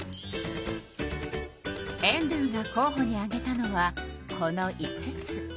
エンドゥが候ほに挙げたのはこの５つ。